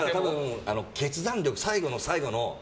決断力、最後の最後の。